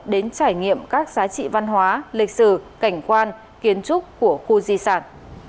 đến trải nghiệm các giá trị văn hóa lịch sử cảnh quan kiến trúc của khu di sản